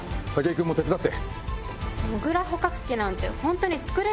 筧君も手伝って。